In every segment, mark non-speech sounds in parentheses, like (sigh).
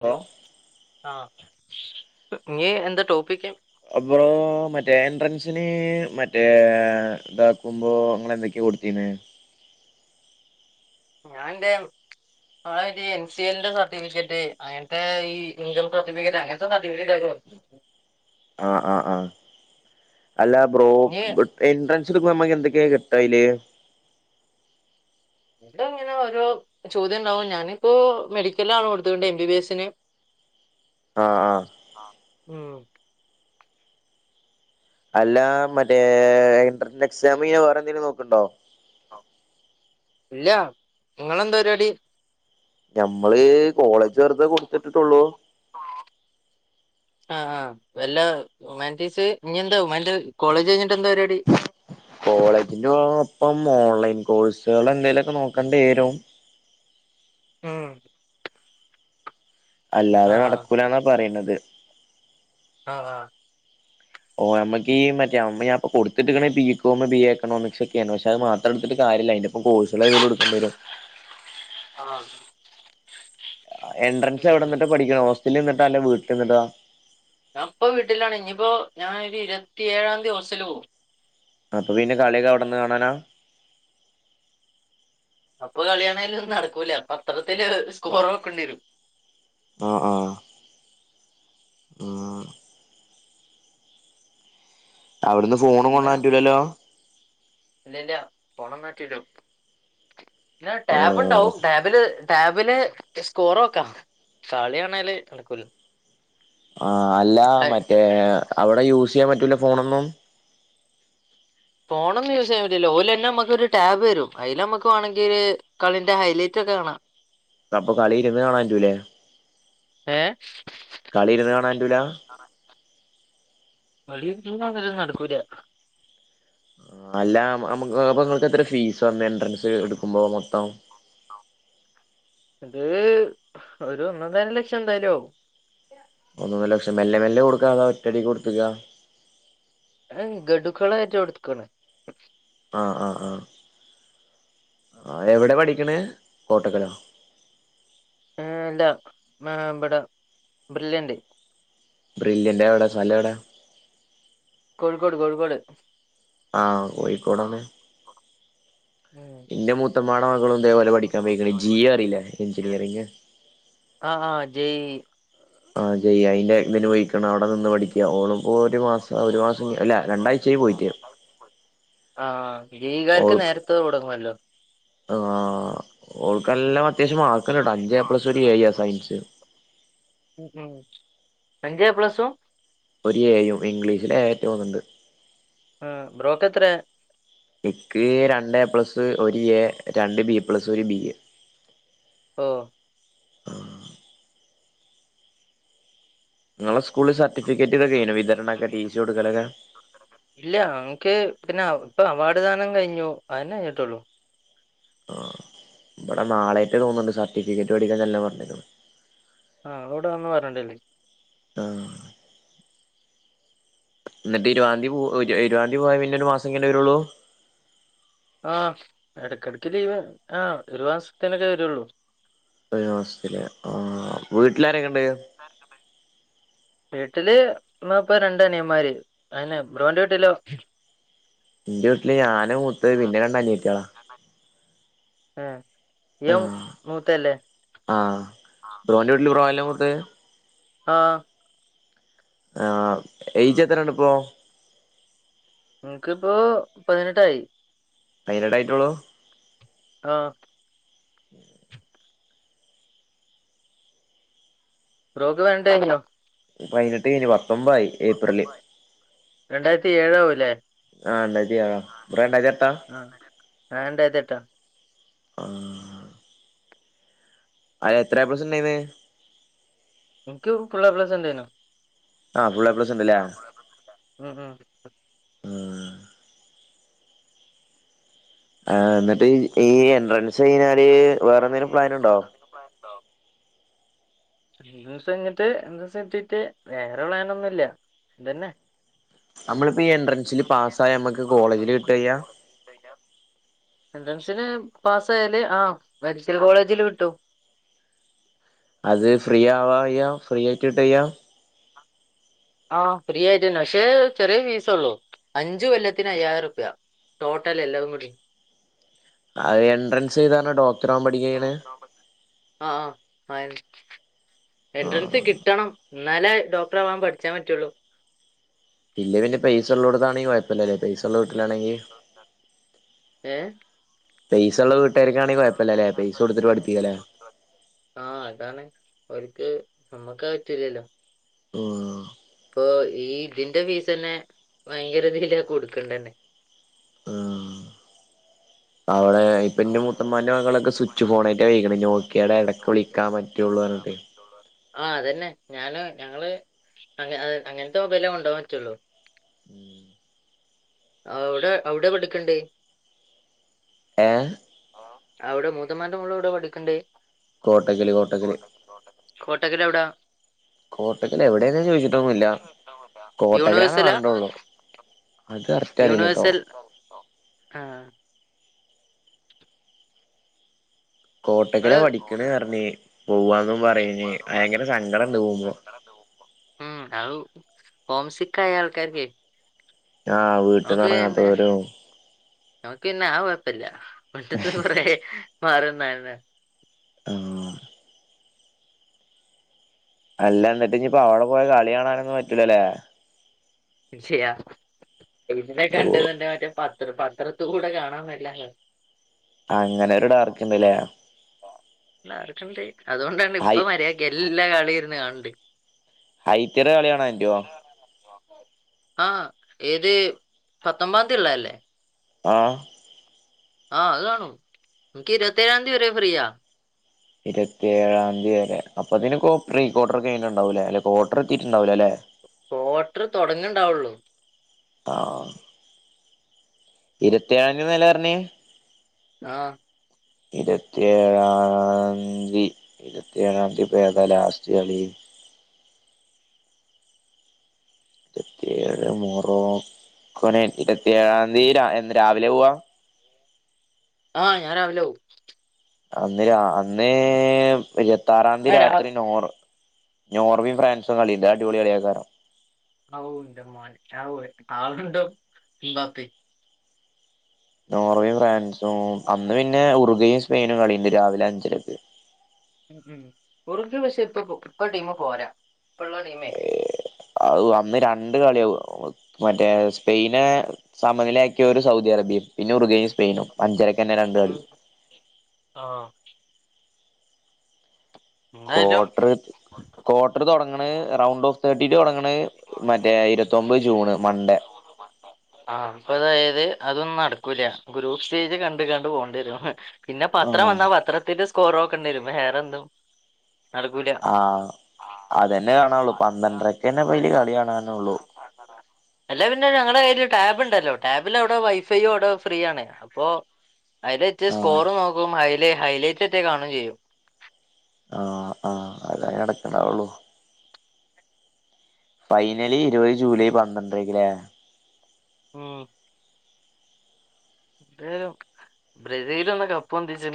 Hello ആഹ് ഇനി എന്താ ടോപ്പിക്ക് ബ്രോ മറ്റേ എൻട്രൻസിന് മറ്റേ ഇതാക്കുമ്പോ അങ്ങനെ എന്തൊക് കൊടുത്തീനെ ഞാൻന്റെ ആ എൻ്റെ എൻ സി എലിന്റെ സർട്ടിഫിക്കറ്റ് അങ്ങനത്തെ ഈ ഇൻകം സർട്ടിഫിക്കറ്റ് അങ്ങനത്തെ സർട്ടിഫിക്കറ്റൊക്കെ ആഹ് ആഹ് ആഹ് അല്ലാ ബ്രോക് നീ എൻട്രൻസ് എടുക്ക്മ്പോ മ്മക്ക് എന്തൊക്കെയാ കിട്ടാ അയില് ഇപ്പോ ഇങ്ങനെ ഓരോ ചോദ്യം ഉണ്ടാവും ഞാനിപ്പോ മെഡിക്കലാണ് കൊടുത്തോണ്ടെ എം ബി ബി എസിന് ആഹ് ആഹ് ഉം അല്ല മറ്റേ എൻട്രൻസ് ൻ്റെ എക്സാമയ്ഞ്ഞാ വേറെ എന്തേലും നോക്ക്ണ്ടോ ഇല്ല നിങ്ങളെന്താ പരിപാടി ഞമ്മള് കോളേജ് വെറുതെ കൊടുത്തിട്ടിട്ടുള്ളൂ ആഹ് ആഹ് അല്ലാ ഹുമാനിറ്റീസ് ഇനി എന്താ ഹുമാനിറ്റ് കോളേജ് കഴിഞ്ഞിട്ട് എന്താ പരിപാടി കോളേജിന്റെ ഒപ്പം ഓൺലൈൻ കോഴ്സുകൾ എന്തേലുമൊക്കെ നോക്കേണ്ടി വരും ഉം അല്ലാതെ ആഹ് നടക്കൂലാന്നാ പറയുന്നത് ആഹ് ആഹ് ഓ നമ്മക്ക് ഈ മറ്റേ അന്ന് ഞാ അപ്പ കൊടുത്ത്ട്ട്ക്കണെ ബി കോമ് ബി എക്കണോമിക്സ് ഒക്കെയാണ് പക്ഷെ അത് മാത്രം എടുത്തിട്ട് കാര്യല്ല അതിന്റെ ൻ്റൊപ്പ കോഴ്സ്കള് ഏതേലും എടുക്കേണ്ടിവരും ആഹ് എൻട്രൻസ് എവിടെന്നിട്ടാ പഠിക്കണേ ഹോസ്റ്റലിന്നിട്ടാ അല്ലേ വീട്ടിന്നിട്ടാ ഞാ ഇപ്പ വീട്ടിലാണ് ഇനിയിപ്പോ ഞാനൊരു ഇരുപത്തിഏഴാംതീ ഹോസ്റ്റല് പോവും അപ്പൊ പിന്നെ കളിയൊക്കെ അവിടെന്ന് കാണാനാ അപ്പൊ കളിയാണേലൊന്നും നടക്കൂല അപ്പ പത്രത്തില് സ്കോർ നോക്കണ്ടി വരും ആഹ് ആഹ് ഉം അവിടുന്ന് ഫോണും പിന്നെ കൊണ്ടോവാ പറ്റൂലല്ലോ ഇല്ലില്ല ഫോണൊന്നും പറ്റൂല്ല പിന്ന ആഹ് ടാബ്ണ്ടാവും ടാബില് ടാബില് സ്കോറോക്കാ കളിയാണേല് നടക്കൂല്ലാ ആഹ് അല്ല മറ്റേ അവിടെ യൂസ് ചെയ്യാൻ പറ്റൂലാ ഫോണൊന്നും ഫോണൊന്നും യൂസ് ചെയ്യാൻ പറ്റില്ലാ ഓലെന്നെ നമ്മക്കൊരു ടാബ് തരും അയില് നമ്മക്ക് വാണെങ്കില് കളിന്റെ ഹൈലൈറ്റ് ഒക്കെ കാണാം അപ്പൊ കളി ഇരുന്ന് കാണാൻറ്റൂലേ ഏ കളി ഇരുന്ന് കാണാൻറ്റൂലാ (inaudible) കളി (unintelligible) നടക്കൂലാ ആഹ് അല്ല അമ് അപ്പ ഇങ്ങൾക്ക് എത്ര ഫീസ് വന്നെ എൻട്രൻസ് എടുക്കുമ്പോ മൊത്തം അത് ഒരു ഒന്ന് ഒന്നര ലക്ഷം എന്തായാലും ആവും ഒന്ന് ഒന്നര ലക്ഷം മെല്ലെ മെല്ലെ കൊടുക്കാ അതാ ഒറ്റ അടിക്ക് കൊട്ത്ത്ക്കാ ഏഹ് ഗഡുക്കളായിട്ട് കൊടുക്കാണ് ആഹ് ആഹ് ആഹ് ആഹ് എവിടെ പഠിക്കണെ കോട്ടക്കലോ ആഹ് അല്ല ആഹ് ഇബടെ ബ്രില്ല്യന്റ് ബ്രില്യന്റാ അത് എവിടെ സ്ഥല എവിടാ കോഴിക്കോട് കോഴിക്കോട് ആഹ് കോഴിക്കോടാണ് ഉം. ഇന്റെ മൂത്തമ്മാടെ മകളും ഇതേപോലെ പഠിക്കാൻ പോയിക്ക്ണ് ജിയോ അറിയില്ലേ എഞ്ചിനിയറിംഗ് ആഹ് ആഹ് ജെ ഈ ആഹ് ജെ ഈ അയ്ന്റെ ഇതിന് പൊയ്ക്കണ അവിടെ നിന്ന് പഠി (unintelligible) ഓളുപ്പൊ ഒരു മാസം ഒരു മാസം അല്ല രണ്ടാഴ്ച്ചായി പോയിറ്റ് ആഹ് ജെ ഈ കാർക്ക് ഓൾക്ക് നേരത്തെ തൊടങ്ങുവല്ലോ ആഹ് ഓൾക്ക് നല്ലോം അത്യാവശ്യം മാർക്ക് ഇണ്ട്ട്ടോ അഞ്ച് എ പ്ലസും ഒരു എ യുആ സയൻസ് ഉം അഞ്ച് എ പ്ലസും ഒരു ഏയും ഇംഗ്ലീഷില് ഏയാറ്റാന്ന് തോനുന്നുണ്ട് ആഹ് ബ്രോക്കെത്രയാ ഇക്ക് രണ്ട് എ പ്ലസ് ഒരു എ രണ്ട് ബി പ്ലസ് ഒരു ബിയ് ഓഹ് ഇങ്ങളെ സ്കൂള് സർട്ടിഫിക്കറ്റ് ഒക്കെ കഴിഞ്ഞോ വിതരണൊക്കെ ടി സി കൊടുക്കലൊക്കെ ഇല്ല ഞങ്ങക്ക് പിന്നെ ഇപ്പ അവാർഡ് ദാനം കഴിഞ്ഞു അതെന്നെ കയിഞ്ഞിട്ടുള്ളൂ ആഹ് ഇബടെ നാളെറ്റേ തോന്ണ്ട് സർട്ടിഫിക്കറ്റ് വേടിക്കാൻ ചെല്ലാൻ പറഞ്ഞക്ക്ണ് ആഹ് (unintelligible) ആഹ് ഇന്നിട്ട് ഇരുവാന്തി പൂ ഇര് ഇരുവാന്തി പോയാ പിന്നെ ഒരു മാസം കഴിഞ്ഞെ വരുള്ളൂ ആഹ് എടക്കെടക്ക് ലീവ് ആഹ് ഒരു മാസത്തിനൊക്കെ വരുള്ളൂ ഒരു മാസത്തില് ആഹ് വീട്ടിലാരൊക്കെ ഇണ്ട്? ന വീട്ടില് ഉമ്മ ഉപ്പ രണ്ടനിയന്മാര് അതന്നെ ബ്രോന്റെ വീട്ടിലോ? ഇന്റെ വീട്ടില് ഞാനാ മൂത്ത് പിന്നെ രണ്ട് അനിയത്തിയേളാ ആഹ് ആഹ് ആഹ് ബ്രോൻ്റെ വീട്ടില് ബ്രോ അല്ലെ മൂത്തേ ആഹ് ആഹ് ഏയിജ് എത്രണ്ട് ഇപ്പോ? ഇൻക്ക്പ്പോ പതിനെട്ടായി പയിനെട്ടായിട്ടുള്ളൂ ആഹ് ബ്രോക്ക് പയിനെട്ട് കയിഞ്ഞോ? പൈനെട്ട് കയ്ഞ് പത്തൊമ്പ ആയി ഏപ്രില് രണ്ടായിരത്തി ഏഴാവൂല്ലേ ആണ്ടതി രണ്ടായിരത്തി ഏട്ടാ ആഹ് (unintelligible) ആഹ് രണ്ടായിത്തി ഏട്ടാ ആഹ് അ എത്ര പ്ലസ് ഉണ്ടായിന്ന് എനിക്ക് ഫുള്ളാ പ്ലസ ഉണ്ടായിനോ ആ ഫുള്ള പ്ലസ് ഉണ്ടല്ലേ ഉം ഉം ഉം ആ എന്നിട്ട് ഈ എൻട്രൻസ് കഴിഞ്ഞാല് വേറെ എന്തേങ്കിലും പ്ലൻ ഉണ്ടോ പ്ലാണ്ടോ എ ദിവസ (unintelligible) കിട്ടീട്ട് വേറെ പ്ലാനൊന്നുല്ല ഇതന്നെ നമ്മളിപ്പോ എൻട്രൻസിൽ പാസ ആയ നമുക്ക് കോളേജിൽ കിട്ടുകയ്യാ എൻട്രൻസില് പാസ് ആയല് ആ മെഡിക്കൽ കോളേജില് കിട്ടും അത് ഫ്രീ ആവാ അ്യ്യാ ഫ്രീ ആയിട്ടിട്ട്യ്യ ആഹ് ഫ്രീ ആയിട്ടന്നെ പക്ഷേ ചെറിയ ഫീസള്ളു അഞ്ചു കൊല്ലത്തിന് അയ്യായിരം രുപ്യ ടോട്ടൽ എല്ലും ക്കൂടി അഹ് എൻട്രൻസ് ചെയതാര ഡോക്ടർ ആവ പടി ആഹ് ആഹ് ആ ആ എൻട്രൻസ് കിട്ടണം ഇന്നാലേ ഡോക്ടറ ആവാൻ പഠിച്ചാൻ പറ്റുള്ളൂ ഇല്ല പിന്ന പൈസ ഉള്ളടത്താണങ്കി കുഴപ്പല്ലല്ലെ പൈസ ഉള്ള വീട്ടി ലാണെങ്കി ഏഹ് പൈസ ഉള്ള വീട്ട്കാർാണെങ്കി കുഴപ്പല്ലല്ലെ പൈ കൊടുത്ത്ട്ട് പഠപ്പിക്കല്ലേ ആഹ് അതാണ് ഓർക്ക് നമ്മക്കാ പറ്റില്ലല്ലോ ആഹ് അപ്പൊ ഈ ഇതിന്റെ ഫീസ് തന്നെ ഭയങ്കര ഇതില്ല കൊടുക്കണ്ടന്നെ ആഹ് അവിടെ ഇപ്പൊ എന്റെ മുത്തന്മാന്റെ മകളൊക്കെ സ്വിച്ച് ഫോണായിട്ട് കഴിക്കണ നോക്കിയടെ ഇടക്ക് വിളിക്കാ (unintelligible) ആഹ് അതന്നെ ഞാന് ഞങ്ങള് അങ്ങനത്തെ മൊബൈലെ കൊണ്ടോവാൻ പറ്റത്തോള്ളൂ ഉം അവിടെ അവിടെ പഠിക്കണ്ടേ ഏഹ് അവടെ മൂത്തമാറ്റ മോളെ എവിടെ പഠിക്കണ്ടേ കോട്ടക്കൽ കോട്ടക്കൽ കോട്ടക്കല് എവിടാ കോട്ടക്കൽ എവിടെന്നും ചോയ്ച്ചിട്ടൊന്നുല്ല കോട്ടക്കൽ ആണ്‌ യൂണിവേഴ്സലാ പറഞ്ഞിട്ടോള്ളു അത് കറക്റ്റ് അറിയില്ല ട്ടോ ആഹ്‌ കോട്ടക്കല നിങ്ങള് പഠിക്കണറഞ്ഞ് പോവാനും പറയണ് ഭയകര സങ്കടം ഉണ്ട് പോകുമ്പോ ഉം അഹ്‌ ഹോംസിക്കായ ആൾക്കാർക്കെ ആഹ് വീട്ടിന്ന് നമുക്ക്ന്നെ ഇറങ്ങാത്തവരും നമുക്ക് പിന്നെ ആ കുഴപ്പല്ല മുറ്റത്ത് കൊറേ മാറുണ്ടേയ്ര്ന്ന്, ആഹ് അല്ല എന്നിട്ട് ഇനി ഇപ്പൊ അവിടെ പോയ കളി കാണാനൊന്നും പറ്റൂലല്ലേ ച്ചയാ ഇതിനെ ഓ കണ്ടന്റെ മറ്റേ പത്ര പത്രത്ത കൂടെ കാണാൻ മെല്ലെ അങ്ങനെ ഒരു ഡാർക്ക്ണ്ട്ലെ. എല്ലാർക്ക്ണ്ട് അതുകൊണ്ടാണ് ഹൈ ഇപ്പൊ മര്യായക്ക് എല്ലാ കളി ഇരുന്ന് കാന്ണ്ട്. ഹൈത്തിറ കളിയാണോ അന്റയോ? ആഹ്‌ ഏത് പത്തൊമ്പാന്തിള്ളഅല്ലേ? ആഹ് ആഹ് അത് കാണും ക്ക് ഇരുവത്തേഴാന്തി വരെ ഫ്രീയാ. ഇരുവത്തിഏഴാംന്തി വരേ അപ്പത്തിന്ക്കൊ പ്രീകൊർട്ട്ർ കയ്ഞ്ഞുട്ടുണ്ടാവുലെ അല്ലാ കൊട്ട്ർ എത്തീട്ടുണ്ടാവൂലലേ. കോട്ട്ർ തൊടങ്ണ്ടാവുള്ളൂ. ആഹ്‌ ഇരുവത്തിയേഴാംന്തീന്നല്ലേ പർഞ്ഞേ? ആഹ്‌ ഇരത്തിഏഴാംന്തി ഇരുവത്തേഏഴാന്തി പ്പൊ ഏതാ ലാസ്റ്റ് കളീ? ഇരുപത്തിയേഴ് മൊറോ കൊനെ ഇരുവത്തിഏഴാംന്തി രാ എന്ന രാവിലെ പോവാ? ആഹ് ഞാൻ രാവിലേ പോവും. അന്ന് രാ അന്ന് ഇരുവത്താറാന്തി ആ, രാ- രാത്രി നൊറോ നോർവിം ഫ്രൻസും കളിണ്ട് അത് അടിപൊളി കളിയ്ക്കാരം. ഹൌ ഇന്റ മോനെ ആ (unintelligible) നോർവിം ഫ്രാൻസും അന്ന് പിന്നെ ഉർഗിയും സ്പെയിനും കളിണ്ട് രാവിലെ അഞ്ചരക്ക്. ഉം ഉർഗ് പക്ഷ ഇപ്പ പ്പ ടീമ് പോരാ ഇപ്പള്ളാ ടീമേയ്. ഔ അന്ന് രണ്ട് കളിയാവ് മറ്റേ സ്പെയിനേ സമനിലയാക്കിയ ഒരു സൗദ്യാഅറേബ്യം പിന്നെ ഉർഗയും സ്പെയിനും. അഞ്ചരക്കന്നെ രണ്ട് കളി (unintelligible) ആഹ് എന്തായാലും കോട്ട്റ് കൊട്ട്റ് തൊടങ്ണ് റൗണ്ട് ഓഫ് തേർട്ടിറ്റു തൊടങ്ണ് മറ്റേ ഇരുപത്തൊൻമ്പത് ജൂണ് മൺഡേ. ആഹ്‌ അപ്പൊ അതായത് അതൊന്നും നടക്കൂല ഗ്രൂപ്പ് സ്റ്റേജ് കണ്ട് ങ്ങാണ്ട് പോണ്ടിരും. പിന്നെ പത്രം ആഹ് വന്നാ പത്രത്തിന്റെ സ്കോറോക്കണ്ടി വരും വേറെന്തും നടക്കൂലാ. ആഹ് അതെന്നെ കാണാ ഒള്ളൂ പന്ത്രണ്ടര്ക്കെന്നെ അയ്ല് കളി കാണാനൊള്ളൂ. അല്ല പിന്നെ ഞങ്ങളേ കയ്യില് ടാബ്ണ്ടല്ലോ ടാബില് അവടെ വൈഫൈോയൊ അവടെ ഫ്രീ ആണ് അപ്പോ അയ്ലെറ്റ് ആഹ് സ്കോർ നോക്കും അയ്ലെ ഹൈലൈറ്റ് എറ്റയാ കാണും ചെയ്യും. ആഹ്‌ ആഹ് അയ്ലെ എടക്ക് ണ്ടാവുള്ളൂ. ഫൈനലീ ഇരുപത് ജൂലൈ പന്ത്രണ്ടരേക്ക്ലെ. ഉം. എന്താലും ബ്രസീലൊന്ന് കപ്പ് പൊന്തിച്ക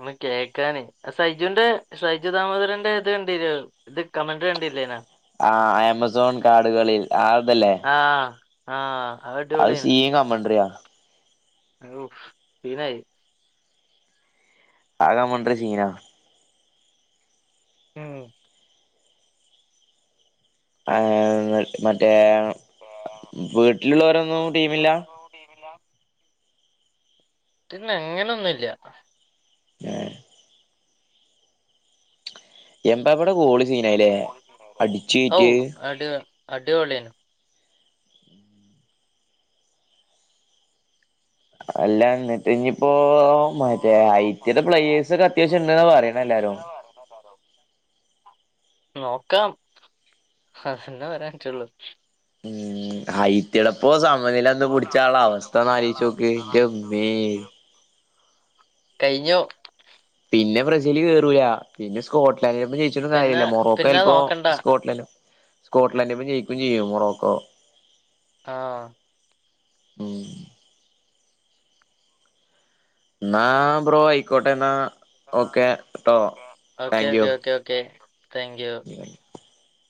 ഒന്ന് കേയ്ക്കാനേയ് സൈയ്ജൂന്റെ സൈജു ദാമോന്തരന്റെ ത് കണ്ടീരുോ ത് കമന്ററി കണ്ടീലേയ്നൊ? ആഹ്‌ ആമസോൺ കാടുകളിൽ ആതല്ലേ. ആഹ് ആഹ്. അത് സീ കമ്മൻഡ്രിയാ. ഔ സീനായി. ആ കമഡ്രി സീനാ. ഉം ആഹ് മ മറ്റേ വീട്ടിലുള്ളോരൊന്നും ടീമില്ലാ? ടീമില്ലാ. പിന്നെ അങ്ങനൊന്നുല്ല്യാ. ആ എമ്പാപ്പടെ ഗോളി ഔ അടി അടിപൊളിയാണ് അല്ല ന്ന്ട്ട് ഞ്ഞിപ്പോ മറ്റേ ഐ ടിെ പ്ലേയേഴ്സ് ഒക്കെ അത്യാവശ്യം ണ്ട്ന്ന പറയ്ണല്ലാരും നോക്കാം അതന്നെ പറയാൻ പറ്റൊള്ളു ഉം ഹൈ ചിലപ്പോ സമനിലന്ന് പുടിചാള്ള അവസ്ഥന്നാലോയിച്ചോക് ന്റെമ്മേ കയ്ഞ്ഞു പിന്നെ ബ്രസീൽ കേറൂല്ല പിന്നെ സ്കോട്ലാൻഡ് ജയിച് പിന്നെ കാര്യല്ലാ മൊറോക്കോ പിന്നെ ചെലപ്പം നോക്കണ്ട സ്കോട്ട്ലൻ സ്കോ്ലൻഡ ജയിക്കും ചെയ്യും മൊറോക്കോ ആഹ് ഉം ന്നാ ബ്രോ ആയിക്കോട്ടെ ന്നാ ആഹ് okay thank okay okay you okay thank U (inaudible)